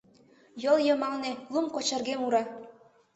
Йол йымалне лум кочырге мура.